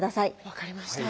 分かりました。